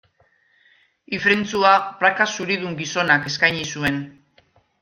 Ifrentzua praka zuridun gizonak eskaini zuen.